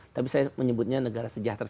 tapi saya menyebutnya negara sejahtera